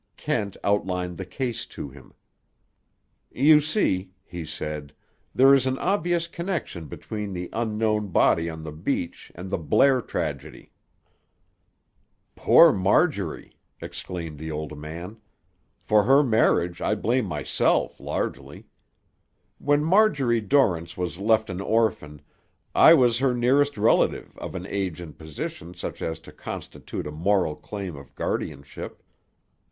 Kent outlined the case to him. "You see," he said, "there is an obvious connection between the unknown body on the beach, and the Blair tragedy." "Poor Marjorie!" exclaimed the old man. "For her marriage I blame myself, largely. When Marjorie Dorrance was left an orphan, I was her nearest relative of an age and position such as to constitute a moral claim of guardianship.